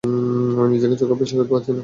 আমি নিজের চোখকে বিশ্বাস করতে পারছি না।